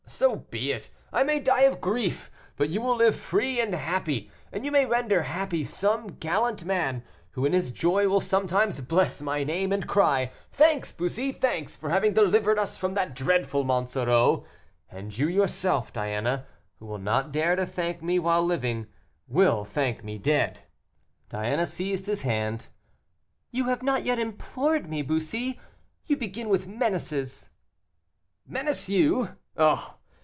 So be it; I may die of grief, but you will live free and happy, and you may render happy some gallant man, who in his joy will sometimes bless my name, and cry, 'Thanks, Bussy, thanks, for having delivered us from that dreadful Monsoreau;' and you, yourself, Diana, who will not dare to thank me while living, will thank me dead." Diana seized his hand. "You have not yet implored me, Bussy; you begin with menaces." "Menace you! oh!